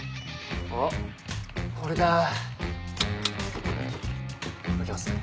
あっこれだ。開けますね。